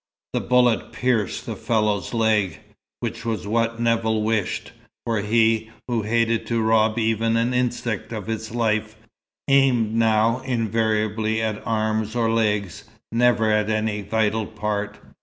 The bullet pierced the fellow's leg, which was what Nevill wished, for he, who hated to rob even an insect of its life, aimed now invariably at arms or legs, never at any vital part.